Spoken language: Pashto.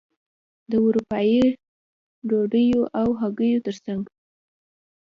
د اروپايي ډوډیو او هګیو ترڅنګ.